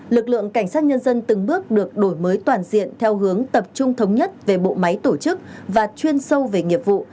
lực lượng cảnh sát nhân dân từng bước được đổi mới toàn diện theo hướng tập trung thống nhất về bộ máy tổ chức và chuyên sâu về nghiệp vụ